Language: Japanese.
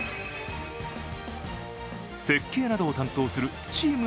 設計などを担当するチーム